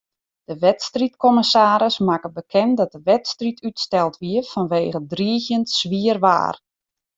De wedstriidkommissaris makke bekend dat de wedstriid útsteld wie fanwege driigjend swier waar.